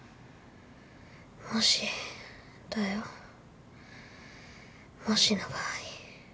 もしだよもしの場合。